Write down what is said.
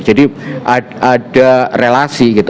jadi ada relasi gitu